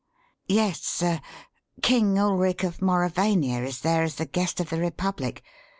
"Yes, sir. King Ulric of Mauravania is there as the guest of the Republic.